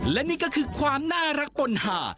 และนี่ก็คือความน่ารักปนหา